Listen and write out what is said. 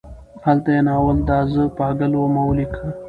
هلته یې ناول دا زه پاګل وم ولیکه.